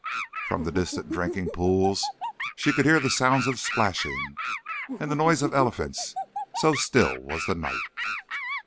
From the distant drinking pools she could hear the sound of splashing, and the noise of elephants so still was the night.